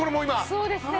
そうですね。